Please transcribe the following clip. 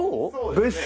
別荘？